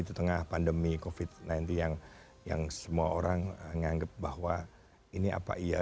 di tengah pandemi covid sembilan belas yang semua orang menganggap bahwa ini apa iya